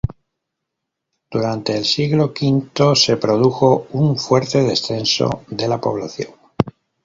Durante el siglo V se produjo un fuerte descenso de la población.